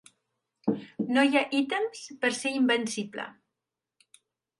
No hi ha ítems per ser invencible.